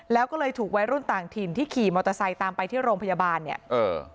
แล้วก็เลยถูกวัยรุ่นต่างถิ่นที่ขี่มอเตอร์ไซค์ตามไปที่โรงพยาบาลเนี่ยเออ